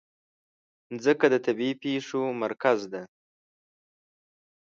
مځکه د طبیعي پېښو مرکز ده.